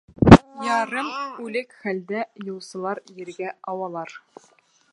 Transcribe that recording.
Ярым үлек хәлдә юлсылар ергә ауалар.